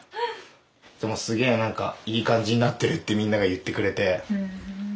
でもすげぇなんかいい感じになってるってみんなが言ってくれて。